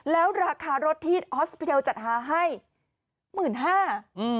แล้วราคารถที่ฮอสพิเทลจัดหาให้๑๕๐๐๐บาท